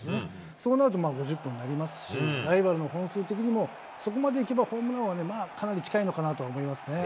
そうなると５０本になりますし、ライバルの本数的にも、そこまで行けばホームランはかなり近いのかなと思いますね。